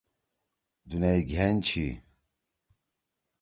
دُنیئی گھین چھی۔